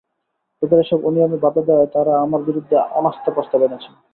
তাঁদের এসব অনিয়মে বাধা দেওয়ায় তাঁরা আমার বিরুদ্ধে অনাস্থা প্রস্তাব এনেছেন।